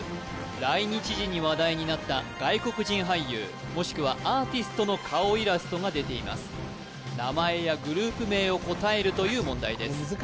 来日時に話題になった外国人俳優もしくはアーティストの顔イラストが出ています名前やグループ名を答えるという問題です